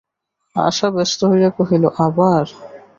আশা ব্যস্ত হইয়া কহিল, আবার!